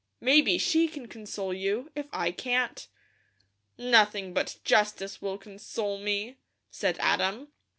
Maybe she can console you, if I can't." "Nothing but justice will console me," said Adam.